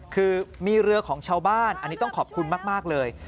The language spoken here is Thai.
คือมีเรือของชาวบ้านอันนี้ต้องขอบคุณมากเลย